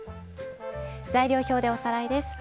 材料表でおさらいです。